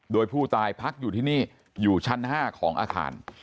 โดยผู้ตายพักอยู่ที่นี่อยู่ชั้น๕ของอาคาร